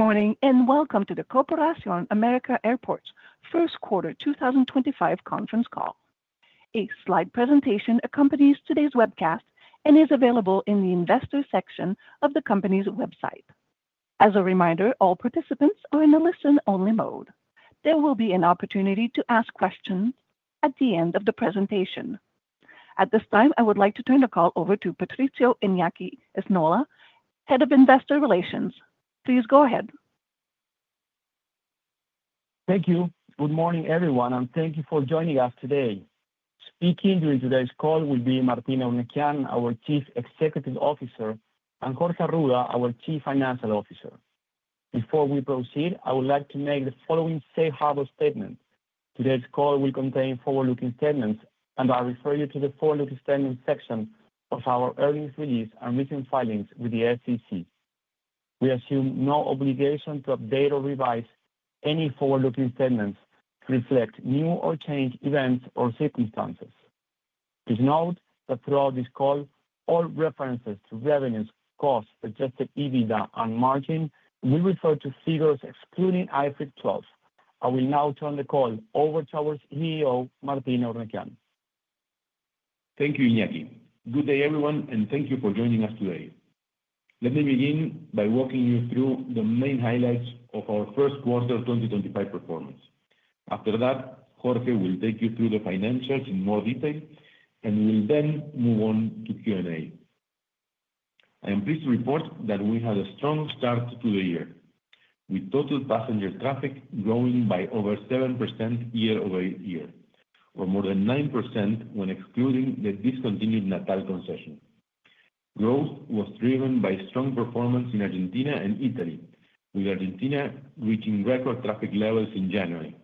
Good morning and welcome to the Corporación América Airports First Quarter 2025 conference call. A slide presentation accompanies today's webcast and is available in the Investor section of the company's website. As a reminder, all participants are in a listen-only mode. There will be an opportunity to ask questions at the end of the presentation. At this time, I would like to turn the call over to Patricio Iñaki Esnaola, Head of Investor Relations. Please go ahead. Thank you. Good morning, everyone, and thank you for joining us today. Speaking during today's call will be Martín Eurnekian, our Chief Executive Officer, and Jorge Arruda, our Chief Financial Officer. Before we proceed, I would like to make the following safe harbor statement. Today's call will contain forward-looking statements, and I refer you to the forward-looking statements section of our earnings release and recent filings with the SEC. We assume no obligation to update or revise any forward-looking statements to reflect new or changed events or circumstances. Please note that throughout this call, all references to revenues, costs, adjusted EBITDA, and margin will refer to figures excluding IFRS 12. I will now turn the call over to our CEO, Martín Eurnekian. Thank you, Iñaki. Good day, everyone, and thank you for joining us today. Let me begin by walking you through the main highlights of our first quarter 2025 performance. After that, Jorge will take you through the financials in more detail, and we'll then move on to Q&A. I am pleased to report that we had a strong start to the year, with total passenger traffic growing by over 7% year over year, or more than 9% when excluding the discontinued Natal concession. Growth was driven by strong performance in Argentina and Italy, with Argentina reaching record traffic levels in January.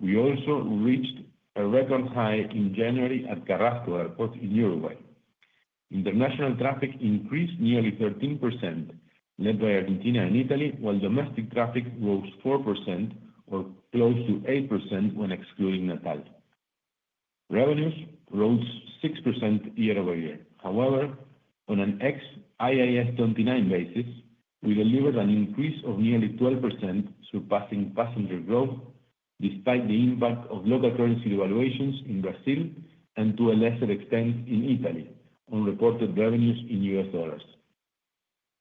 We also reached a record high in January at Carrasco Airport in Uruguay. International traffic increased nearly 13%, led by Argentina and Italy, while domestic traffic rose 4%, or close to 8%, when excluding Natal. Revenues rose 6% year over year. However, on an ex-IAS29 basis, we delivered an increase of nearly 12%, surpassing passenger growth despite the impact of local currency devaluations in Brazil and, to a lesser extent, in Italy on reported revenues in US dollars.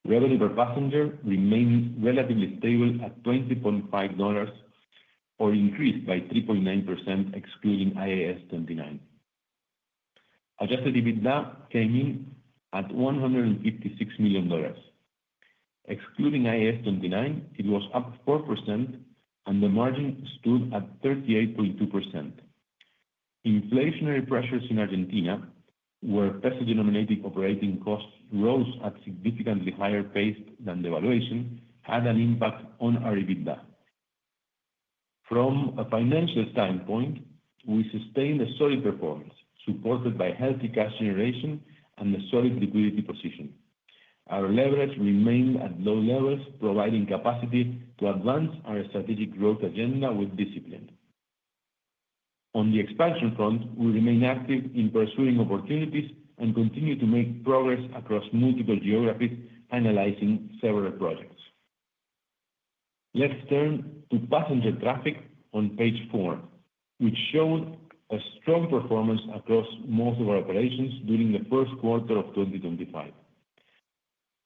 Revenue per passenger remained relatively stable at $20.5, or increased by 3.9% excluding IAS29. Adjusted EBITDA came in at $156 million. Excluding IAS29, it was up 4%, and the margin stood at 38.2%. Inflationary pressures in Argentina, where peso-denominated operating costs rose at significantly higher pace than devaluation, had an impact on our EBITDA. From a financial standpoint, we sustained a solid performance, supported by healthy cash generation and a solid liquidity position. Our leverage remained at low levels, providing capacity to advance our strategic growth agenda with discipline. On the expansion front, we remain active in pursuing opportunities and continue to make progress across multiple geographies, analyzing several projects. Let's turn to passenger traffic on page four, which showed a strong performance across most of our operations during the first quarter of 2025.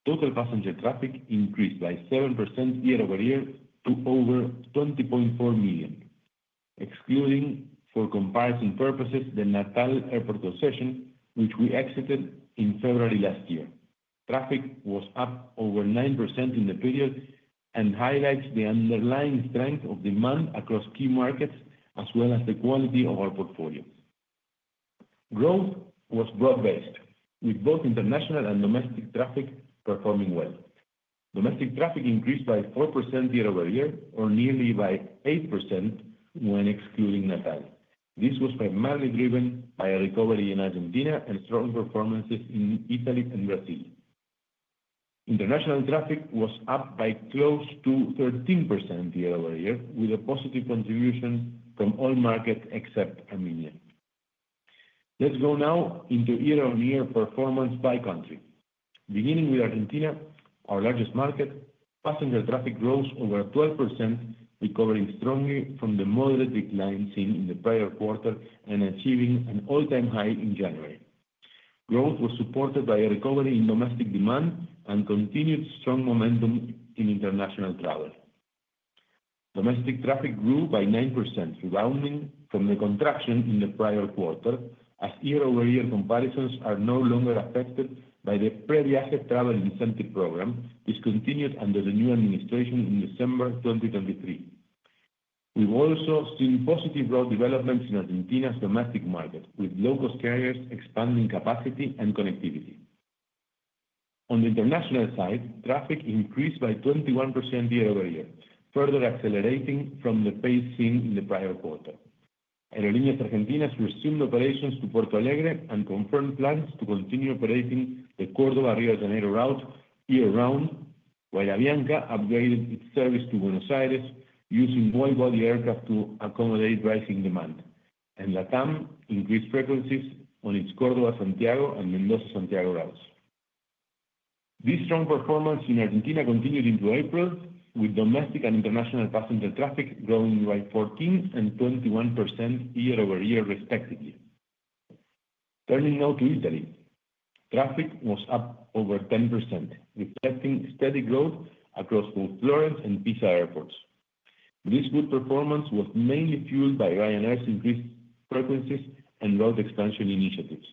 Total passenger traffic increased by 7% year over year to over 20.4 million, excluding, for comparison purposes, the Natal airport concession, which we exited in February last year. Traffic was up over 9% in the period and highlights the underlying strength of demand across key markets, as well as the quality of our portfolio. Growth was broad-based, with both international and domestic traffic performing well. Domestic traffic increased by 4% year over year, or nearly by 8% when excluding Natal. This was primarily driven by a recovery in Argentina and strong performances in Italy and Brazil. International traffic was up by close to 13% year over year, with a positive contribution from all markets except Armenia. Let's go now into year-on-year performance by country. Beginning with Argentina, our largest market, passenger traffic rose over 12%, recovering strongly from the moderate decline seen in the prior quarter and achieving an all-time high in January. Growth was supported by a recovery in domestic demand and continued strong momentum in international travel. Domestic traffic grew by 9%, rebounding from the contraction in the prior quarter, as year-over-year comparisons are no longer affected by the Pre-Viaje Travel Incentive Program, discontinued under the new administration in December 2023. We've also seen positive road developments in Argentina's domestic market, with low-cost carriers expanding capacity and connectivity. On the international side, traffic increased by 21% year over year, further accelerating from the pace seen in the prior quarter. Aerolíneas Argentinas resumed operations to Porto Alegre and confirmed plans to continue operating the Córdoba-Río de Janeiro route year-round, while Avianca upgraded its service to Buenos Aires, using wide-body aircraft to accommodate rising demand, and LATAM increased frequencies on its Córdoba-Santiago and Mendoza-Santiago routes. This strong performance in Argentina continued into April, with domestic and international passenger traffic growing by 14% and 21% year over year, respectively. Turning now to Italy, traffic was up over 10%, reflecting steady growth across both Florence and Pisa airports. This good performance was mainly fueled by Ryanair's increased frequencies and route expansion initiatives.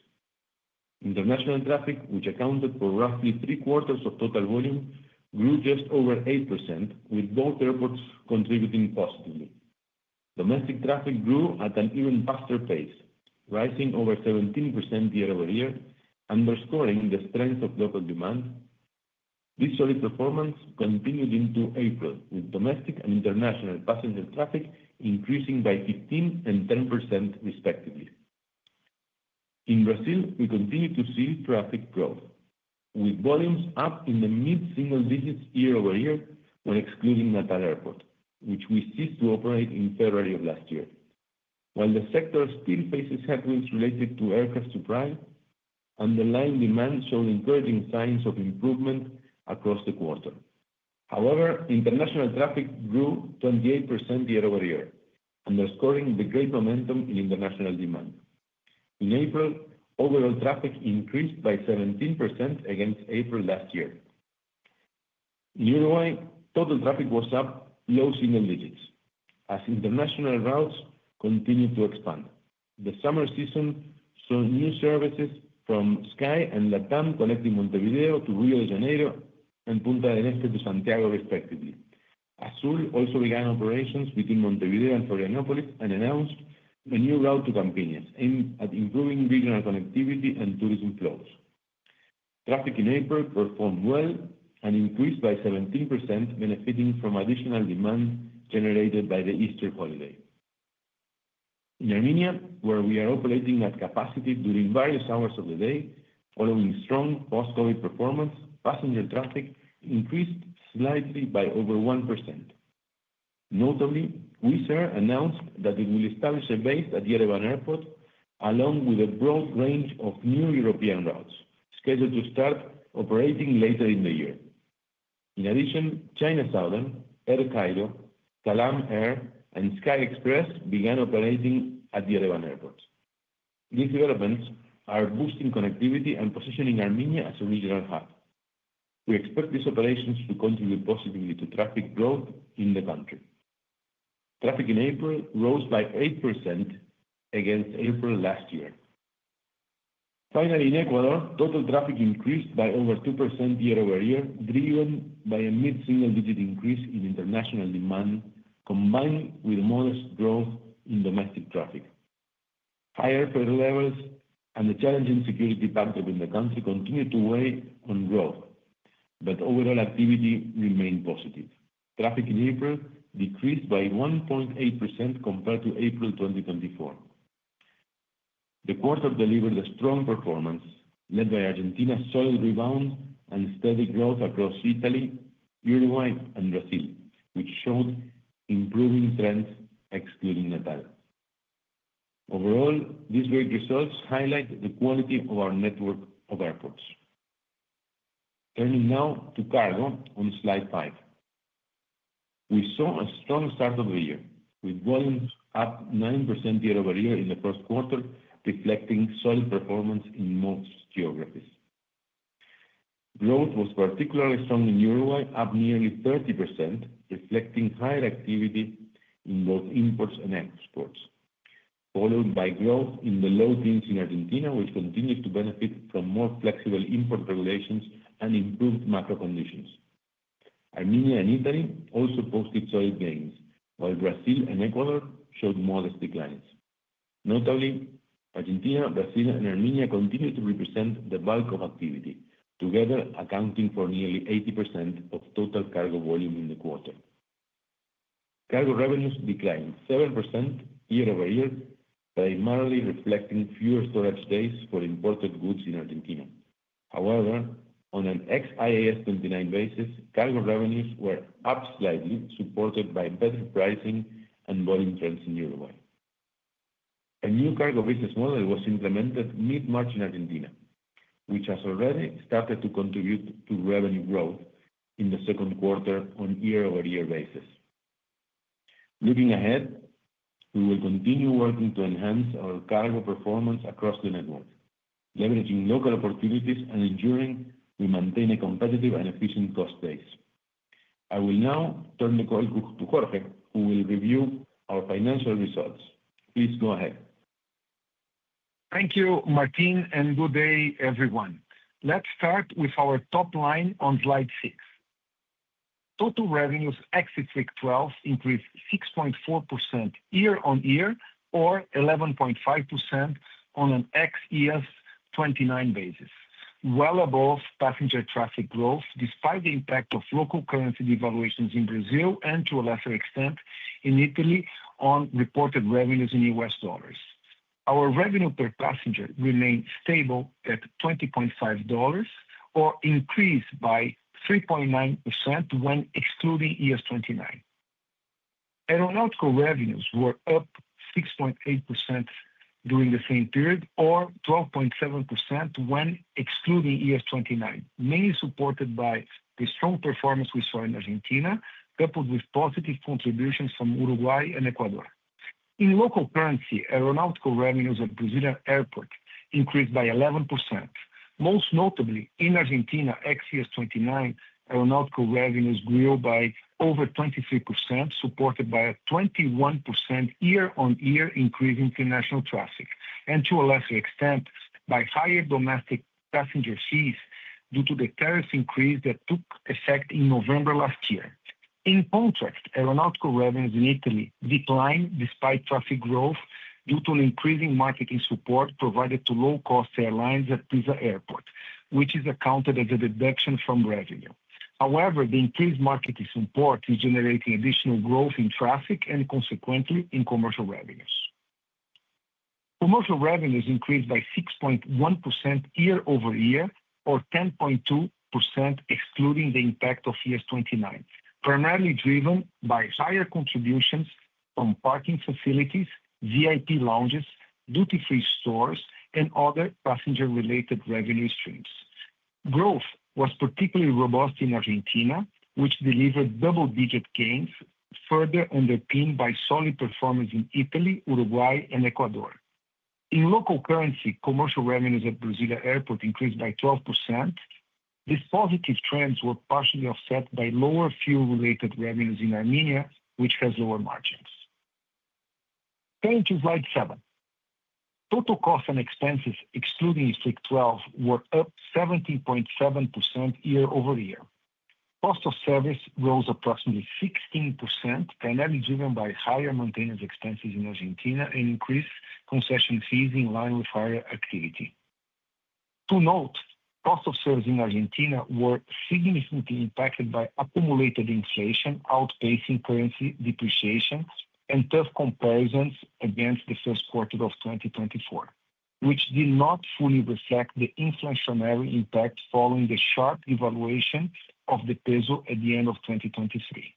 International traffic, which accounted for roughly three-quarters of total volume, grew just over 8%, with both airports contributing positively. Domestic traffic grew at an even faster pace, rising over 17% year over year, underscoring the strength of local demand. This solid performance continued into April, with domestic and international passenger traffic increasing by 15% and 10%, respectively. In Brazil, we continue to see traffic growth, with volumes up in the mid-single digits year over year when excluding Natal Airport, which we ceased to operate in February of last year. While the sector still faces headwinds related to aircraft supply, underlying demand showed encouraging signs of improvement across the quarter. However, international traffic grew 28% year over year, underscoring the great momentum in international demand. In April, overall traffic increased by 17% against April last year. In Uruguay, total traffic was up close in the digits, as international routes continued to expand. The summer season saw new services from Sky and LATAM connecting Montevideo to Río de Janeiro and Punta del Este to Santiago, respectively. Azul also began operations between Montevideo and Florianópolis and announced a new route to Campiñas, aimed at improving regional connectivity and tourism flows. Traffic in April performed well and increased by 17%, benefiting from additional demand generated by the Easter holiday. In Armenia, where we are operating at capacity during various hours of the day, following strong post-COVID performance, passenger traffic increased slightly by over 1%. Notably, Wizz Air announced that it will establish a base at Yerevan Airport, along with a broad range of new European routes, scheduled to start operating later in the year. In addition, China Southern, Air Cairo, Calm Air, and Sky Express began operating at Yerevan Airport. These developments are boosting connectivity and positioning Armenia as a regional hub. We expect these operations to contribute positively to traffic growth in the country. Traffic in April rose by 8% against April last year. Finally, in Ecuador, total traffic increased by over 2% year over year, driven by a mid-single digit increase in international demand, combined with modest growth in domestic traffic. High airport levels and the challenging security backdrop in the country continue to weigh on growth, but overall activity remained positive. Traffic in April decreased by 1.8% compared to April 2024. The quarter delivered a strong performance, led by Argentina's solid rebound and steady growth across Italy, Uruguay, and Brazil, which showed improving trends excluding Natal. Overall, these great results highlight the quality of our network of airports. Turning now to cargo on slide five. We saw a strong start of the year, with volumes up 9% year over year in the first quarter, reflecting solid performance in most geographies. Growth was particularly strong in Uruguay, up nearly 30%, reflecting higher activity in both imports and exports, followed by growth in the low teens in Argentina, which continues to benefit from more flexible import regulations and improved macro conditions. Armenia and Italy also posted solid gains, while Brazil and Ecuador showed modest declines. Notably, Argentina, Brazil, and Armenia continue to represent the bulk of activity, together accounting for nearly 80% of total cargo volume in the quarter. Cargo revenues declined 7% year over year, primarily reflecting fewer storage days for imported goods in Argentina. However, on an ex-IAS29 basis, cargo revenues were up slightly, supported by better pricing and volume trends in Uruguay. A new cargo business model was implemented mid-March in Argentina, which has already started to contribute to revenue growth in the second quarter on year-over-year basis. Looking ahead, we will continue working to enhance our cargo performance across the network, leveraging local opportunities and ensuring we maintain a competitive and efficient cost base. I will now turn the call to Jorge, who will review our financial results. Please go ahead. Thank you, Martín, and good day, everyone. Let's start with our top line on slide six. Total revenues exit week 12 increased 6.4% year on year, or 11.5% on an ex-IAS29 basis, well above passenger traffic growth, despite the impact of local currency devaluations in Brazil and, to a lesser extent, in Italy on reported revenues in US dollars. Our revenue per passenger remained stable at $20.5, or increased by 3.9% when excluding IAS29. Aeronautical revenues were up 6.8% during the same period, or 12.7% when excluding IAS29, mainly supported by the strong performance we saw in Argentina, coupled with positive contributions from Uruguay and Ecuador. In local currency, aeronautical revenues at Brazilian airports increased by 11%. Most notably, in Argentina, ex IAS29, aeronautical revenues grew by over 23%, supported by a 21% year-on-year increase in international traffic, and, to a lesser extent, by higher domestic passenger fees due to the tariff increase that took effect in November last year. In contrast, aeronautical revenues in Italy declined despite traffic growth due to increasing marketing support provided to low-cost airlines at Pisa Airport, which is accounted as a deduction from revenue. However, the increased marketing support is generating additional growth in traffic and, consequently, in commercial revenues. Commercial revenues increased by 6.1% year over year, or 10.2% excluding the impact of IAS29, primarily driven by higher contributions from parking facilities, VIP lounges, duty-free stores, and other passenger-related revenue streams. Growth was particularly robust in Argentina, which delivered double-digit gains, further underpinned by solid performance in Italy, Uruguay, and Ecuador. In local currency, commercial revenues at Brazilian airports increased by 12%. These positive trends were partially offset by lower fuel-related revenues in Armenia, which has lower margins. Turning to slide seven, total costs and expenses excluding week 12 were up 17.7% year over year. Cost of service rose approximately 16%, primarily driven by higher maintenance expenses in Argentina and increased concession fees in line with higher activity. To note, cost of service in Argentina were significantly impacted by accumulated inflation, outpacing currency depreciation, and tough comparisons against the first quarter of 2024, which did not fully reflect the inflationary impact following the sharp devaluation of the peso at the end of 2023.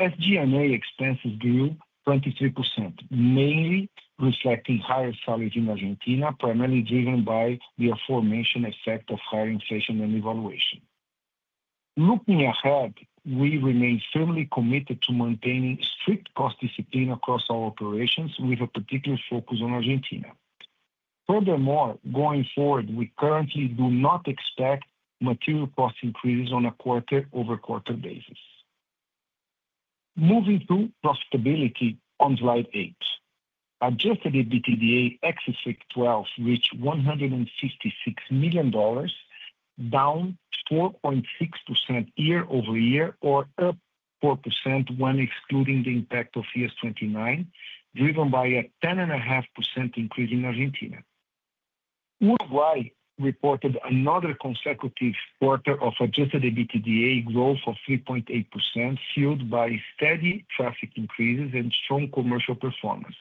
SG&A expenses grew 23%, mainly reflecting higher salaries in Argentina, primarily driven by the aforementioned effect of higher inflation and devaluation. Looking ahead, we remain firmly committed to maintaining strict cost discipline across our operations, with a particular focus on Argentina. Furthermore, going forward, we currently do not expect material cost increases on a quarter-over-quarter basis. Moving through profitability on slide eight, adjusted EBITDA exit week 12 reached $156 million, down 4.6% year over year, or up 4% when excluding the impact of IAS29, driven by a 10.5% increase in Argentina. Uruguay reported another consecutive quarter of adjusted EBITDA growth of 3.8%, fueled by steady traffic increases and strong commercial performance,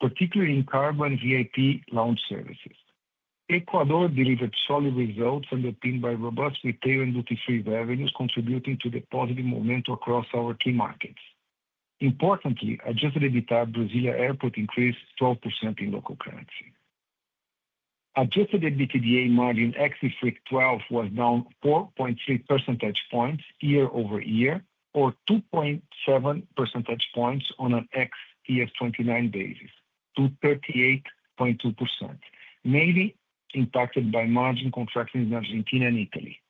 particularly in cargo and VIP lounge services. Ecuador delivered solid results, underpinned by robust retail and duty-free revenues, contributing to the positive momentum across our key markets. Importantly, adjusted EBITDA at Brazilian airports increased 12% in local currency. Adjusted EBITDA margin exit week 12 was down 4.3 percentage points year over year, or 2.7 percentage points on an ex IAS29 basis, to 38.2%, mainly impacted by margin contractions in Argentina and Italy.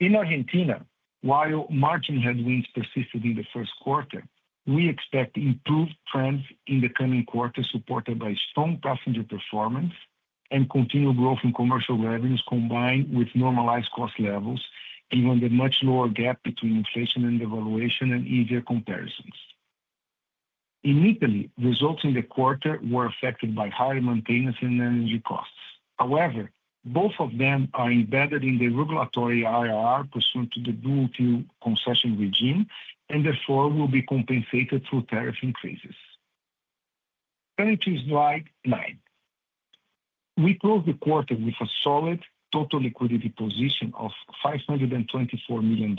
In Argentina, while margin headwinds persisted in the first quarter, we expect improved trends in the coming quarter, supported by strong passenger performance and continued growth in commercial revenues, combined with normalized cost levels, and with a much lower gap between inflation and devaluation and easier comparisons. In Italy, results in the quarter were affected by higher maintenance and energy costs. However, both of them are embedded in the regulatory IRR pursuant to the dual-fuel concession regime and therefore will be compensated through tariff increases. Turning to slide nine, we closed the quarter with a solid total liquidity position of $524 million,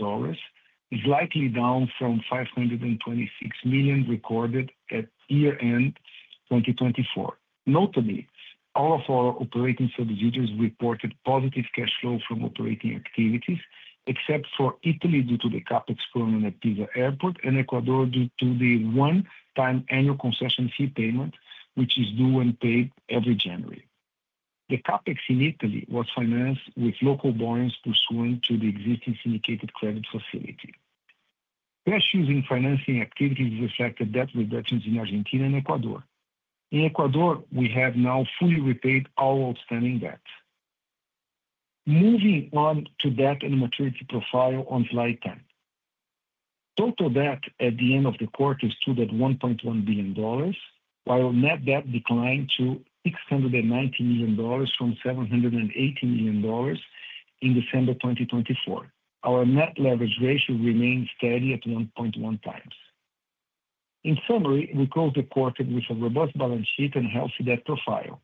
slightly down from $526 million recorded at year-end 2024. Notably, all of our operating subsidiaries reported positive cash flow from operating activities, except for Italy due to the CapEX program at Pisa Airport and Ecuador due to the one-time annual concession fee payment, which is due and paid every January. The CapEX in Italy was financed with local borrowings pursuant to the existing syndicated credit facility. Cash-using financing activities reflected debt reductions in Argentina and Ecuador. In Ecuador, we have now fully repaid all outstanding debt. Moving on to debt and maturity profile on slide ten, total debt at the end of the quarter stood at $1.1 billion, while net debt declined to $690 million from $780 million in December 2024. Our net leverage ratio remained steady at 1.1 times. In summary, we closed the quarter with a robust balance sheet and healthy debt profile.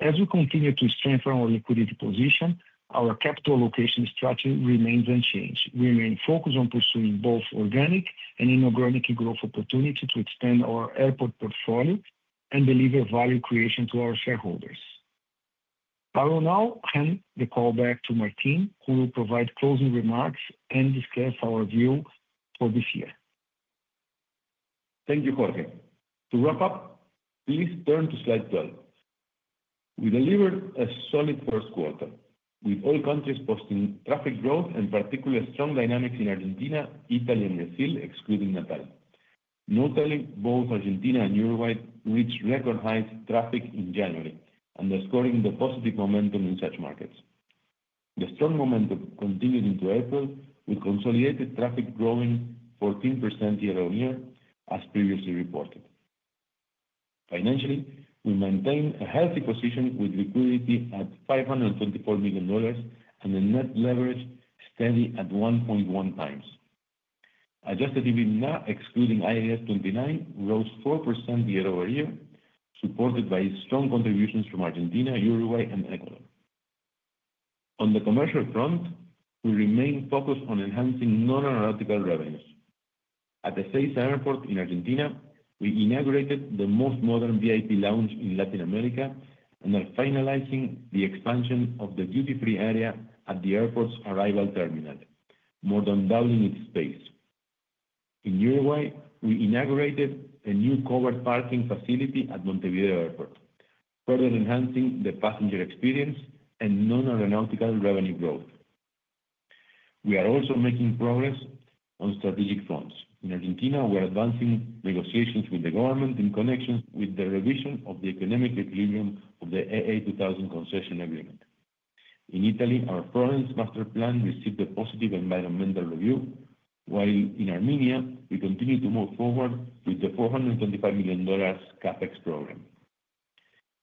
As we continue to strengthen our liquidity position, our capital allocation strategy remains unchanged. We remain focused on pursuing both organic and inorganic growth opportunities to expand our airport portfolio and deliver value creation to our shareholders. I will now hand the call back to Martín, who will provide closing remarks and discuss our view for this year. Thank you, Jorge. To wrap up, please turn to slide 12. We delivered a solid first quarter, with all countries posting traffic growth and particularly strong dynamics in Argentina, Italy, and Brazil, excluding Natal. Notably, both Argentina and Uruguay reached record-high traffic in January, underscoring the positive momentum in such markets. The strong momentum continued into April, with consolidated traffic growing 14% year-on-year, as previously reported. Financially, we maintained a healthy position with liquidity at $524 million and a net leverage steady at 1.1 times. Adjusted EBITDA, excluding IAS29, rose 4% year over year, supported by strong contributions from Argentina, Uruguay, and Ecuador. On the commercial front, we remain focused on enhancing non-aeronautical revenues. At the Ezeiza Airport in Argentina, we inaugurated the most modern VIP lounge in Latin America and are finalizing the expansion of the duty-free arrivals area at the airport's arrival terminal, more than doubling its space. In Uruguay, we inaugurated a new covered parking facility at Montevideo Airport, further enhancing the passenger experience and non-aeronautical revenue growth. We are also making progress on strategic fronts. In Argentina, we are advancing negotiations with the government in connection with the revision of the economic equilibrium of the AA2000 concession agreement. In Italy, our Florence Master Plan received a positive environmental review, while in Armenia, we continue to move forward with the $425 million CapEX program.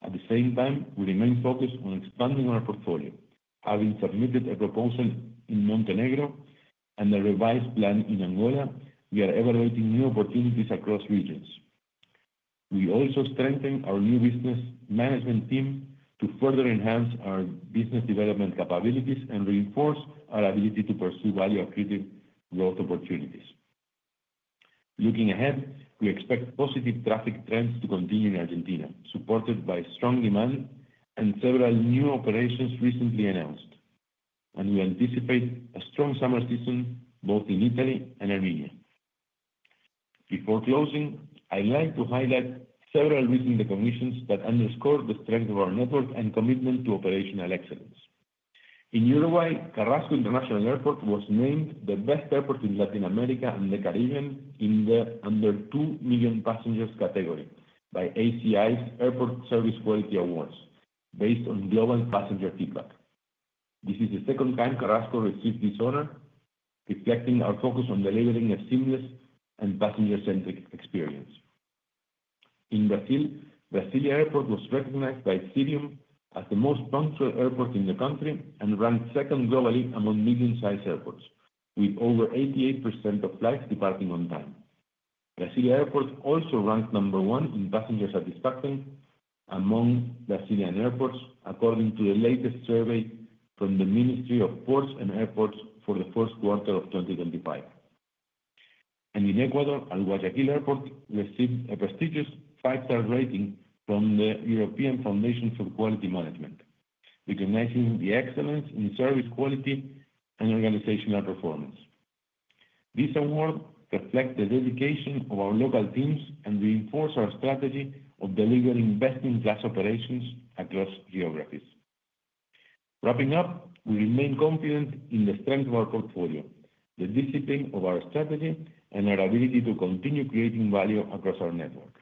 At the same time, we remain focused on expanding our portfolio. Having submitted a proposal in Montenegro and a revised plan in Angola, we are evaluating new opportunities across regions. We also strengthened our new business management team to further enhance our business development capabilities and reinforce our ability to pursue value-accretive growth opportunities. Looking ahead, we expect positive traffic trends to continue in Argentina, supported by strong demand and several new operations recently announced, and we anticipate a strong summer season both in Italy and Armenia. Before closing, I'd like to highlight several recent recognitions that underscore the strength of our network and commitment to operational excellence. In Uruguay, Carrasco International Airport was named the best airport in Latin America and the Caribbean in the under-2 million passengers category by ACI's Airport Service Quality Awards, based on global passenger feedback. This is the second time Carrasco received this honor, reflecting our focus on delivering a seamless and passenger-centric experience. In Brazil, Brasília Airport was recognized by Cirium as the most punctual airport in the country and ranked second globally among medium-sized airports, with over 88% of flights departing on time. Brasília Airport also ranked number one in passenger satisfaction among Brazilian airports, according to the latest survey from the Ministry of Ports and Airports for the first quarter of 2025. In Ecuador, Alajuela Airport received a prestigious five-star rating from the European Foundation for Quality Management, recognizing the excellence in service quality and organizational performance. This award reflects the dedication of our local teams and reinforces our strategy of delivering best-in-class operations across geographies. Wrapping up, we remain confident in the strength of our portfolio, the discipline of our strategy, and our ability to continue creating value across our network.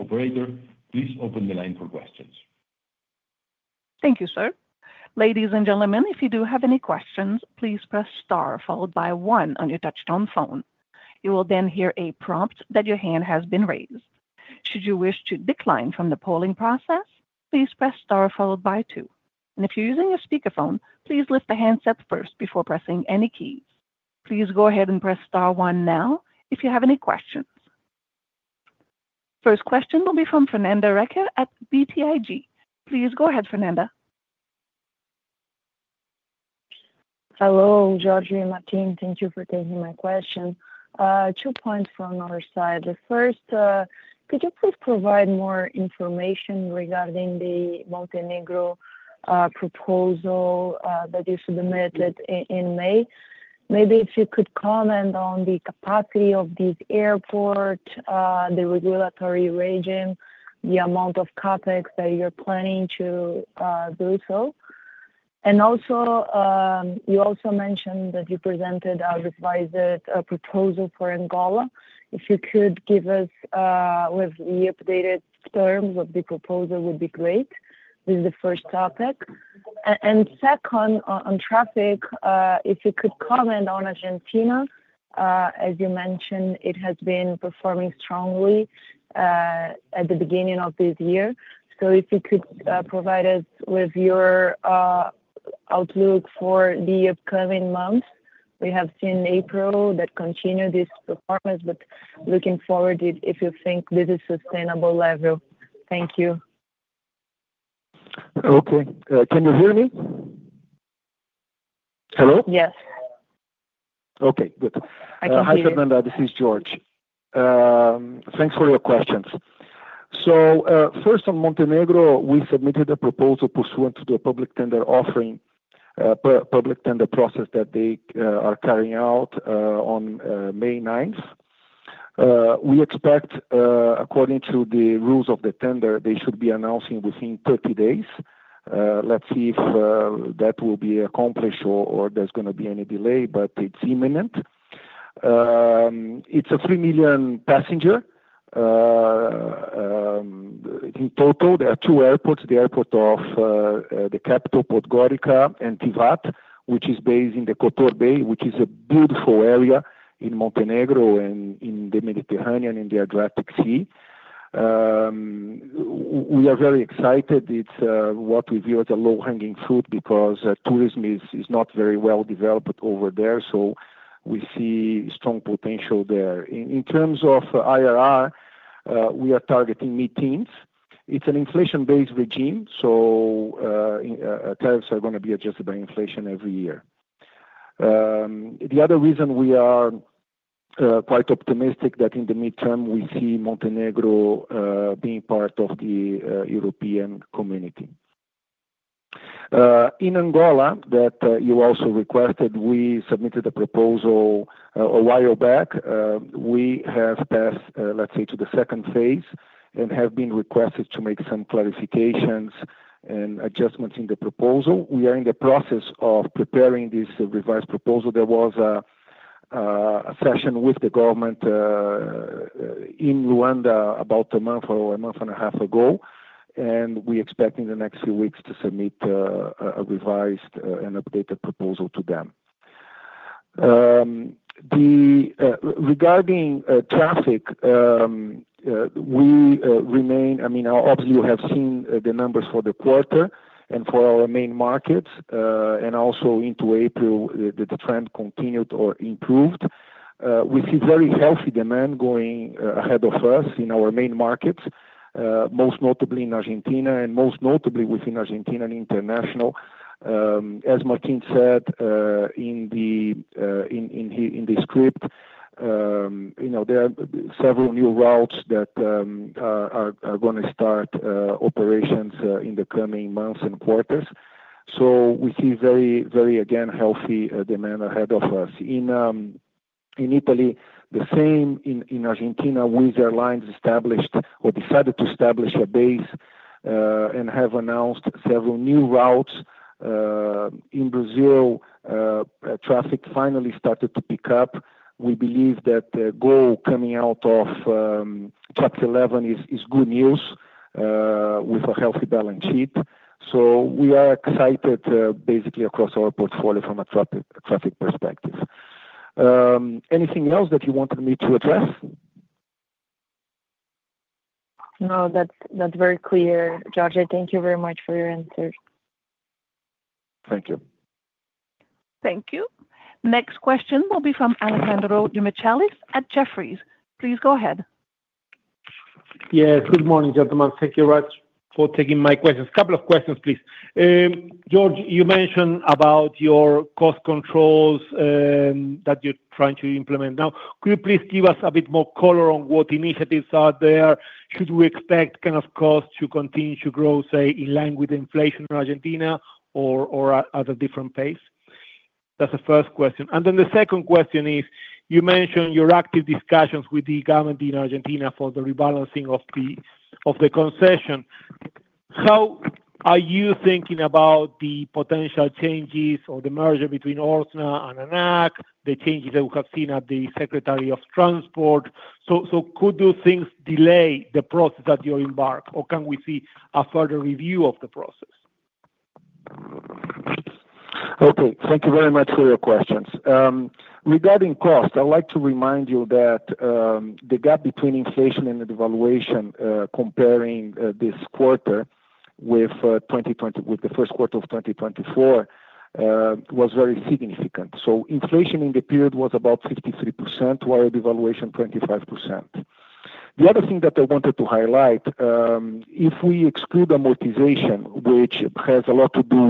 Operator, please open the line for questions. Thank you, sir. Ladies and gentlemen, if you do have any questions, please press star followed by one on your touch-tone phone. You will then hear a prompt that your hand has been raised. Should you wish to decline from the polling process, please press star followed by two. If you're using a speakerphone, please lift the handset first before pressing any keys. Please go ahead and press star one now if you have any questions. First question will be from Fernanda Requer at BTIG. Please go ahead, Fernanda. Hello, Jorge and Martín. Thank you for taking my question. Two points from our side. First, could you please provide more information regarding the Montenegro proposal that you submitted in May? Maybe if you could comment on the capacity of this airport, the regulatory regime, the amount of CapEX that you're planning to do. You also mentioned that you presented a revised proposal for Angola. If you could give us what the updated terms of the proposal would be, that would be great. This is the first topic. Second, on traffic, if you could comment on Argentina, as you mentioned, it has been performing strongly at the beginning of this year. If you could provide us with your outlook for the upcoming months. We have seen April continued this performance, but looking forward, if you think this is a sustainable level. Thank you. Okay. Can you hear me? Hello? Yes. Okay, good. I can hear you. Hi, Fernanda, this is Jorge. Thanks for your questions. First, on Montenegro, we submitted a proposal pursuant to the public tender process that they are carrying out on May 9th. We expect, according to the rules of the tender, they should be announcing within 30 days. Let's see if that will be accomplished or there's going to be any delay, but it's imminent. It's a 3 million passenger, in total. There are two airports, the airport of the capital, Podgorica, and Tivat, which is based in the Kotor Bay, which is a beautiful area in Montenegro and in the Mediterranean and the Adriatic Sea. We are very excited. It's what we view as a low-hanging fruit because tourism is not very well developed over there, so we see strong potential there. In terms of IRR, we are targeting mid-teens. It's an inflation-based regime, so tariffs are going to be adjusted by inflation every year. The other reason we are quite optimistic is that in the midterm we see Montenegro being part of the European community. In Angola that you also requested, we submitted a proposal a while back. We have passed, let's say, to the second phase and have been requested to make some clarifications and adjustments in the proposal. We are in the process of preparing this revised proposal. There was a session with the government in Luanda about a month or a month and a half ago, and we expect in the next few weeks to submit a revised and updated proposal to them. Regarding traffic, we remain, I mean, obviously you have seen the numbers for the quarter and for our main markets, and also into April, the trend continued or improved. We see very healthy demand going ahead of us in our main markets, most notably in Argentina and most notably within Argentina and international. As Martín said, in the script, you know, there are several new routes that are going to start operations in the coming months and quarters. We see very, very, again, healthy demand ahead of us. In Italy, the same in Argentina with airlines established or decided to establish a base, and have announced several new routes. In Brazil, traffic finally started to pick up. We believe that the goal coming out of Chapter 11 is good news, with a healthy balance sheet. We are excited, basically across our portfolio from a traffic perspective. Anything else that you wanted me to address? No, that's very clear. Jorge, thank you very much for your answers. Thank you. Thank you. Next question will be from Alejandro Demichelis at Jefferies. Please go ahead. Yes, good morning, gentlemen. Thank you, Raj, for taking my questions. Couple of questions, please. Jorge, you mentioned about your cost controls, that you're trying to implement now. Could you please give us a bit more color on what initiatives are there? Should we expect kind of costs to continue to grow, say, in line with inflation in Argentina or at a different pace? That's the first question. The second question is, you mentioned your active discussions with the government in Argentina for the rebalancing of the concession. How are you thinking about the potential changes or the merger between Orsna and ANAC, the changes that we have seen at the Secretary of Transport? Could those things delay the process that you embark, or can we see a further review of the process? Okay, thank you very much for your questions. Regarding cost, I'd like to remind you that the gap between inflation and the devaluation, comparing this quarter with 2020, with the first quarter of 2024, was very significant. Inflation in the period was about 53%, while the devaluation 25%. The other thing that I wanted to highlight, if we exclude amortization, which has a lot to do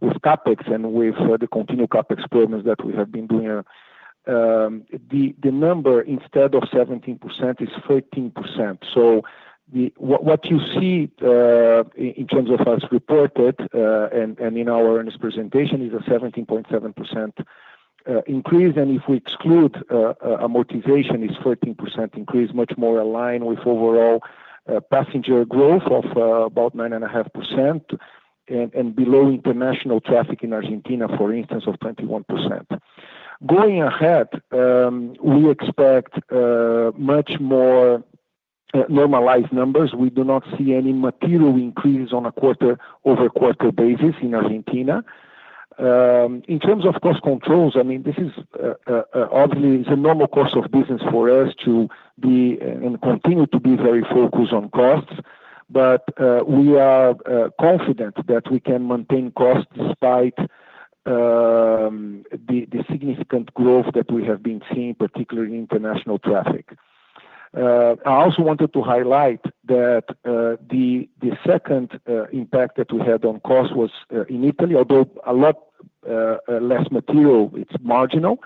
with CapEX and with the continued CapEX programs that we have been doing, the number instead of 17% is 13%. What you see in terms of US reported, and in our earnings presentation, is a 17.7% increase. If we exclude amortization, it is a 13% increase, much more aligned with overall passenger growth of about 9.5% and below international traffic in Argentina, for instance, of 21%. Going ahead, we expect much more normalized numbers. We do not see any material increases on a quarter-over-quarter basis in Argentina. In terms of cost controls, I mean, this is, obviously, it is a normal course of business for us to be and continue to be very focused on costs, but we are confident that we can maintain costs despite the significant growth that we have been seeing, particularly in international traffic. I also wanted to highlight that the second impact that we had on cost was in Italy, although a lot less material, it is marginal,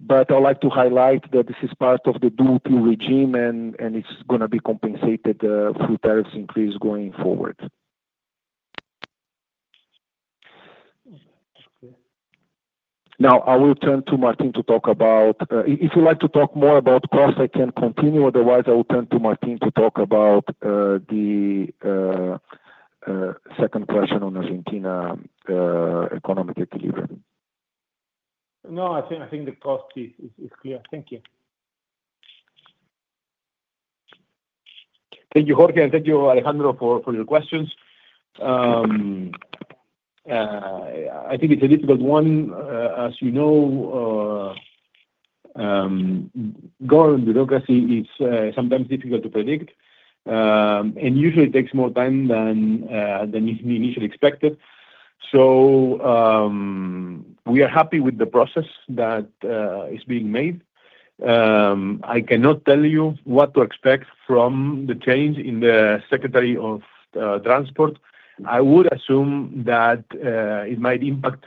but I would like to highlight that this is part of the dual-peer regime and it is going to be compensated through tariffs increase going forward. Now, I will turn to Martín to talk about, if you would like to talk more about cost, I can continue. Otherwise, I will turn to Martín to talk about the second question on Argentina, economic equilibrium. No, I think the cost is clear. Thank you. Thank you, Jorge, and thank you, Alejandro, for your questions. I think it's a difficult one, as you know, government bureaucracy is sometimes difficult to predict, and usually it takes more time than initially expected. We are happy with the process that is being made. I cannot tell you what to expect from the change in the Secretary of Transport. I would assume that it might impact,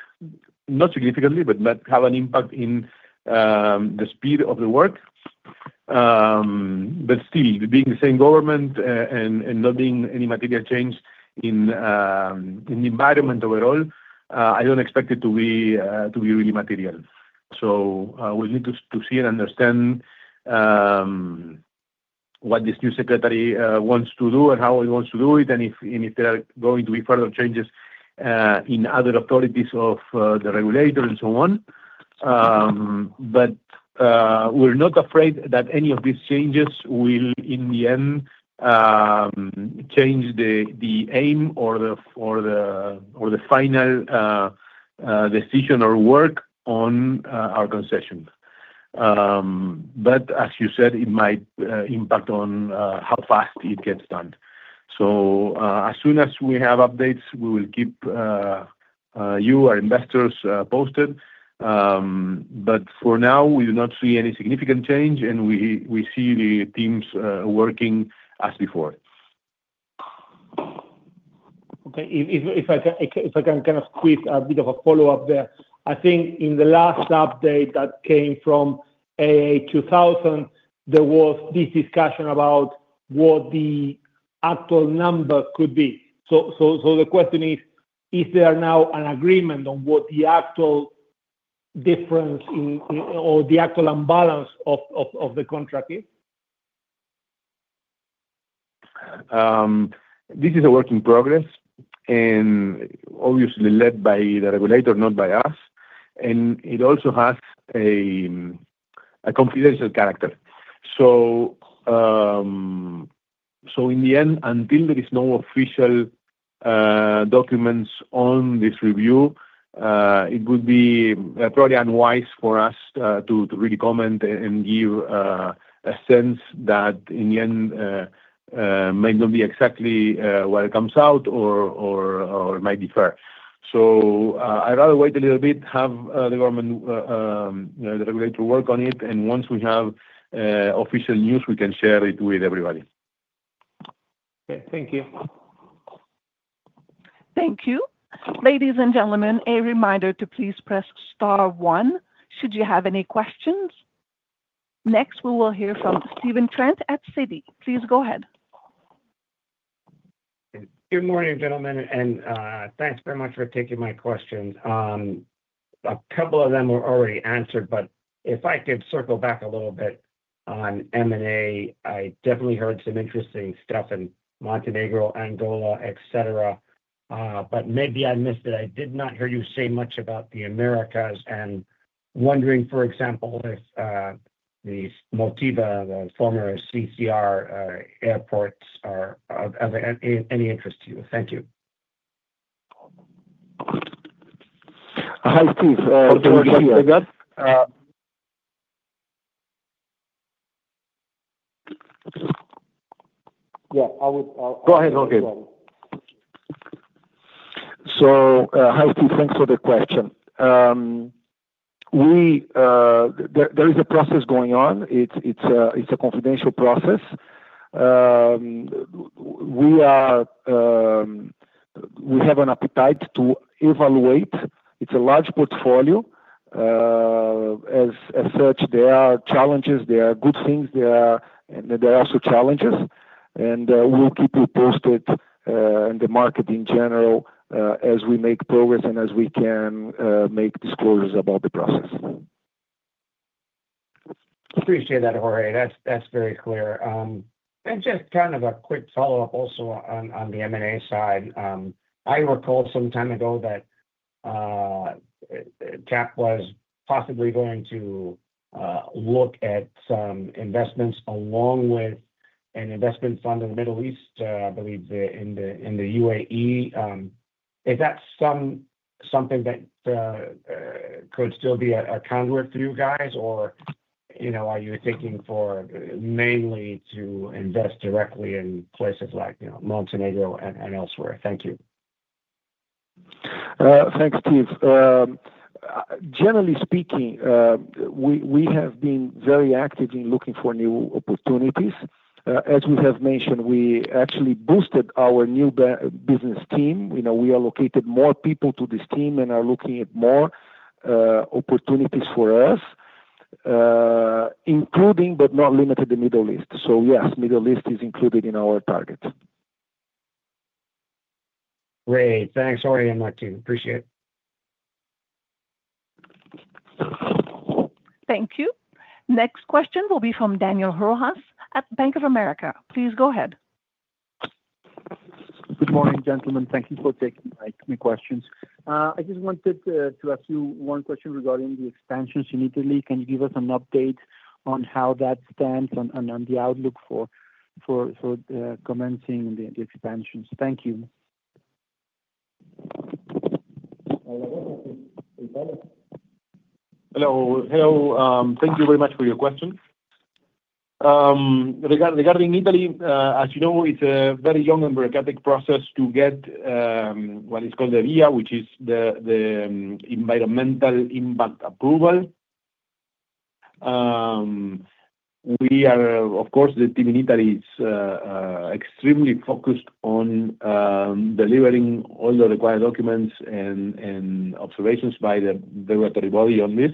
not significantly, but might have an impact in the speed of the work. Still, being the same government, and not being any material change in the environment overall, I don't expect it to be really material. We'll need to see and understand what this new secretary wants to do and how he wants to do it, and if there are going to be further changes in other authorities of the regulator and so on. We're not afraid that any of these changes will in the end change the aim or the final decision or work on our concession. As you said, it might impact on how fast it gets done. As soon as we have updates, we will keep you, our investors, posted. For now, we do not see any significant change, and we see the teams working as before. Okay. If I can kind of quick, a bit of a follow-up there, I think in the last update that came from AA2000, there was this discussion about what the actual number could be. So the question is, is there now an agreement on what the actual difference in, or the actual imbalance of the contract is? This is a work in progress and obviously led by the regulator, not by us, and it also has a confidential character. In the end, until there is no official documents on this review, it would be probably unwise for us to really comment and give a sense that in the end, might not be exactly what it comes out or might differ. I'd rather wait a little bit, have the government, the regulator work on it, and once we have official news, we can share it with everybody. Okay, thank you. Thank you. Ladies and gentlemen, a reminder to please press star one should you have any questions. Next, we will hear from Steven Trent at Citi. Please go ahead. Good morning, gentlemen, and thanks very much for taking my questions. A couple of them were already answered, but if I could circle back a little bit on M&A, I definitely heard some interesting stuff in Montenegro, Angola, et cetera, but maybe I missed it. I did not hear you say much about the Americas and wondering, for example, if the Motiva, the former CCR, airports are of any interest to you. Thank you. Hi, Steve. Jorge, you heard that? Yeah, I would, I'll go ahead, Jorge. Hi, Steve, thanks for the question. There is a process going on. It's a confidential process. We have an appetite to evaluate. It's a large portfolio. As such, there are challenges, there are good things, and there are also challenges. We'll keep you posted in the market in general as we make progress and as we can make disclosures about the process. Appreciate that, Jorge. That's very clear. Just kind of a quick follow-up also on the M&A side. I recall some time ago that CAAP was possibly going to look at some investments along with an investment fund in the Middle East, I believe in the UAE. Is that something that could still be a conduit for you guys, or are you thinking mainly to invest directly in places like Montenegro and elsewhere? Thank you. Thanks, Steve. Generally speaking, we have been very active in looking for new opportunities. As we have mentioned, we actually boosted our new business team. You know, we allocated more people to this team and are looking at more opportunities for us, including but not limited to the Middle East. So yes, Middle East is included in our target. Great. Thanks, Jorge and Martín. Appreciate it. Thank you. Next question will be from Daniel Rojas at Bank of America. Please go ahead. Good morning, gentlemen. Thank you for taking my questions. I just wanted to ask you one question regarding the expansions in Italy. Can you give us an update on how that stands on the outlook for commencing the expansions? Thank you. Hello. Thank you very much for your question. Regarding Italy, as you know, it is a very long and bureaucratic process to get what is called the VIA, which is the environmental impact approval. We are, of course, the team in Italy is extremely focused on delivering all the required documents and observations by the regulatory body on this.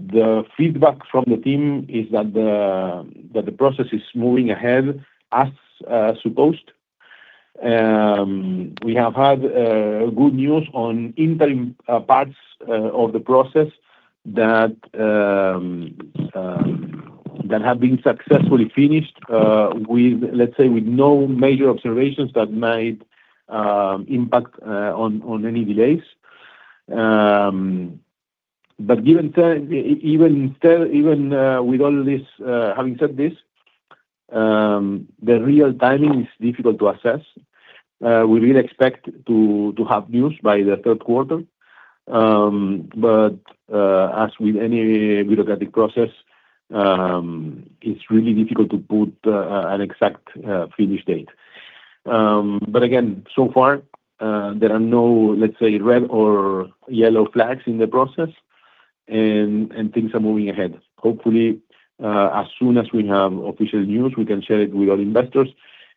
The feedback from the team is that the process is moving ahead as supposed. We have had good news on interim parts of the process that have been successfully finished, with, let's say, with no major observations that might impact on any delays. But given, even with all this, having said this, the real timing is difficult to assess. We really expect to have news by the third quarter. As with any bureaucratic process, it's really difficult to put an exact finish date. Again, so far, there are no, let's say, red or yellow flags in the process, and things are moving ahead. Hopefully, as soon as we have official news, we can share it with all investors,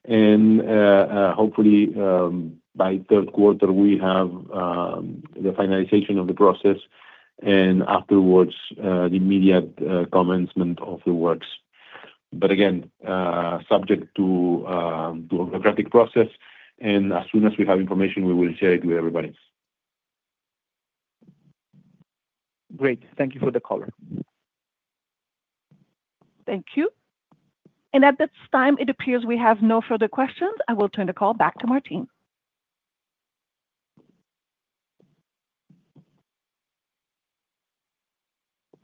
and hopefully, by third quarter, we have the finalization of the process, and afterwards, the immediate commencement of the works. Again, subject to a bureaucratic process, and as soon as we have information, we will share it with everybody. Great. Thank you for the caller. Thank you. At this time, it appears we have no further questions. I will turn the call back to Martín.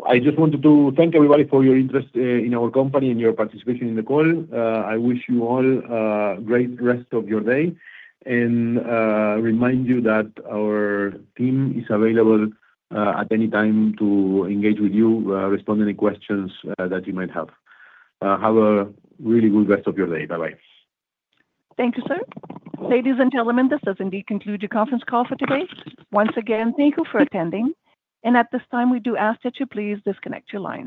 I just wanted to thank everybody for your interest in our company and your participation in the call. I wish you all a great rest of your day, and remind you that our team is available at any time to engage with you, respond to any questions that you might have. Have a really good rest of your day. Bye-bye. Thank you, sir. Ladies and gentlemen, this does indeed conclude your conference call for today. Once again, thank you for attending, and at this time, we do ask that you please disconnect your line.